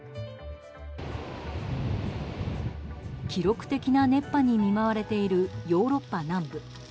記録的な熱波に見舞われているヨーロッパ南部。